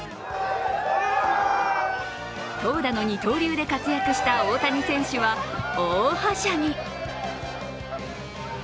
投打の二刀流で活躍した大谷選手は大はしゃぎ。